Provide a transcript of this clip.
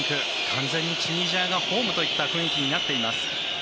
完全にチュニジアがホームという雰囲気になっています。